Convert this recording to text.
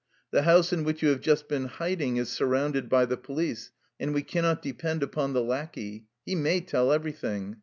The house in which you have just been hiding is surrounded by the police, and we cannot depend upon the lackey. He may tell everything.